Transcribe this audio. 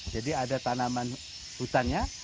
jadi ada tanaman hutannya